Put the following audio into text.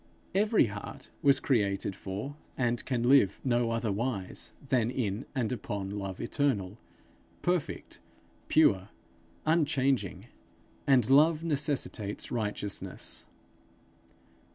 Every heart was created for, and can live no otherwise than in and upon love eternal, perfect, pure, unchanging; and love necessitates righteousness.